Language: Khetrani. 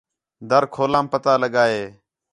در کھولام پتہ لڳا ہِے